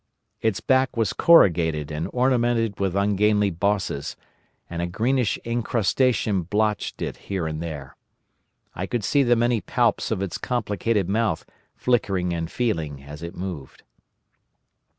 Its back was corrugated and ornamented with ungainly bosses, and a greenish incrustation blotched it here and there. I could see the many palps of its complicated mouth flickering and feeling as it moved.